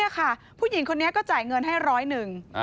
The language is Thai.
ผู้หญิงคนนี้ก็จ่ายเงินให้ร้อยหนึ่ง